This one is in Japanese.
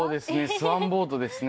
スワンボートですね。